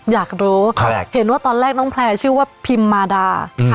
อยากรู้เห็นว่าตอนแรกน้องแพลร์ชื่อว่าพิมมาดา